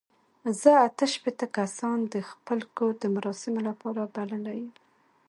زه اته شپېته کسان د خپل کور د مراسمو لپاره بللي یم.